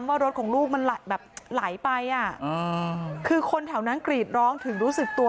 ว่ารถของลูกมันไหลแบบไหลไปอ่ะคือคนแถวนั้นกรีดร้องถึงรู้สึกตัว